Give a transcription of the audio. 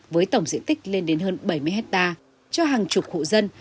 với tổng diện tích lên đến hơn bảy mươi hectare cho hàng chục hộ dân